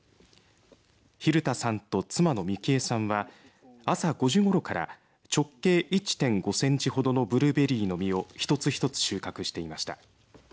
蛭田さんと妻の幹枝さんは朝５時ごろから直径１．５センチほどのブルーベリーの実を一つ一つ収穫していました。